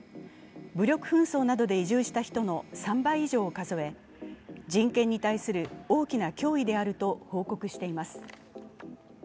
武力紛争などで移住した人の３倍以上を数え人権に対する大きな脅威であると報告しています。